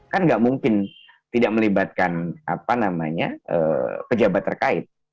kan nggak mungkin tidak melibatkan pejabat terkait